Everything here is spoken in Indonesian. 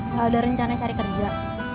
nggak ada rencana cari kerja